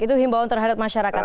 itu himbauan terhadap masyarakat